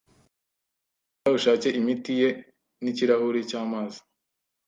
Genda ushake imiti ye nikirahure cyamazi.